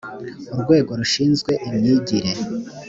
urwego rushinzwe imyigire